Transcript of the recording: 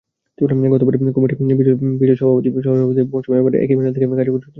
গতবারের কমিটির বিজয়ী সহসভাপতি মৌসুমী এবার একই প্যানেল থেকে কার্যকরী সদস্যপদে নির্বাচিত হয়েছেন।